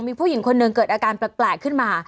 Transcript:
มีผู้หญิงคนหนึ่งเกิดอาการแปลกขึ้นมา